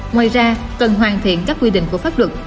ngoài ra cần hoàn thiện các quy định của pháp luật